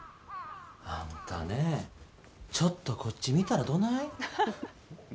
あんたねえ、ちょっとこっち見たらどない？